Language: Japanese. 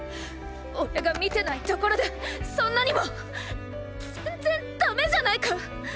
おれが見てない所でそんなにも！全然だめじゃないか！